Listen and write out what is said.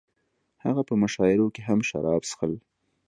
هغه په مشاعرو کې هم شراب څښل